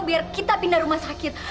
biar kita pindah rumah sakit